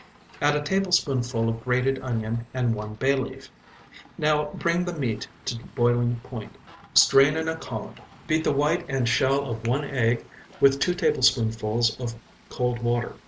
Add a tablespoonful of grated onion and one bay leaf. Now bring the meat to boiling point. Strain in a colander. Beat the white and shell of one egg with two tablespoonfuls of cold water.